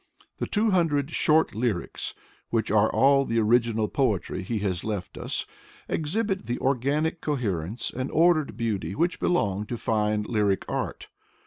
The two hundred short lyrics, which are all the original poetry he has left us, exhibit the organic coherence and ordered beauty which belong to fine lyric art.